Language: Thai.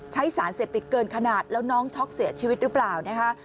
สารเสพติดเกินขนาดแล้วน้องช็อกเสียชีวิตหรือเปล่านะคะ